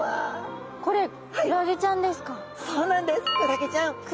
これクラゲちゃんですか。